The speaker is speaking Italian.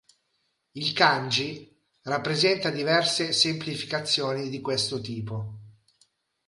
Il kanji presenta diverse semplificazioni di questo tipo.